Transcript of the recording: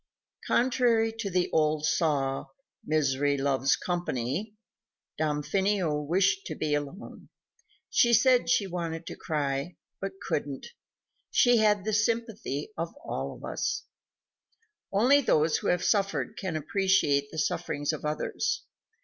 _ Contrary to the old saw, "Misery loves company," Damfino wished to be alone. She said she wanted to cry, but couldn't. She had the sympathy of us all. Only those who have suffered can appreciate the sufferings of others.